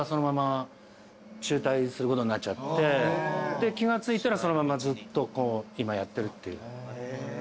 で気が付いたらそのままずっと今やってるっていう感じですね。